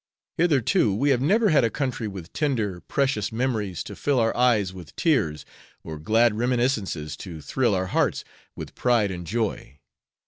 Hitherto we have never had a country with tender, precious memories to fill our eyes with tears, or glad reminiscences to thrill our hearts with pride and joy.